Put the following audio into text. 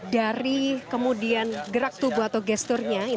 dari kemudian gerak tubuh atau gesturnya